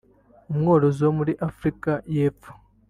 umworozi wo muri Afurika Yepfo